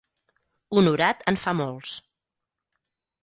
Un orat en fa molts.